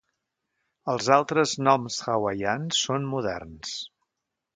Els altres noms hawaians són moderns.